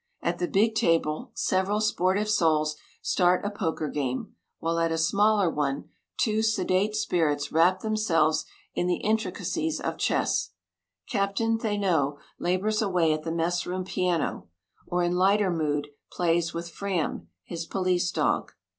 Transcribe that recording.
At the big table several sportive souls start a poker game, while at a smaller one two sedate spirits wrap themselves in the intricacies of chess. Captain Thénault labours away at the messroom piano, or in lighter mood plays with Fram, his police dog.